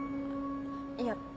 いや。